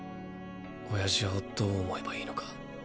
親父をどう思えばいいのか。